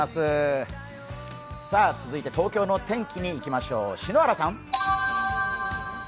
続いて東京の天気にいきましょう、篠原さん！